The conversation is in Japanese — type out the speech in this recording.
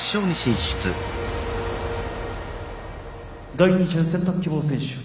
第２巡選択希望選手。